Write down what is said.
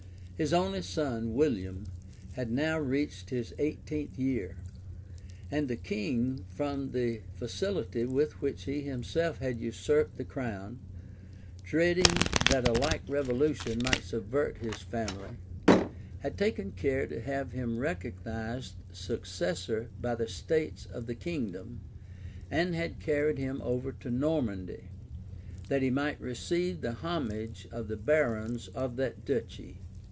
His only son, William, had now reached his eighteenth year; and the king, from the facility with which he himself had usurped the crown, dreading that a like revolution might subvert his family, had taken care to have him recognized successor by the states of the kingdom, and had carried him over to Normandy, that he might receive the homage of the barons of that duchy.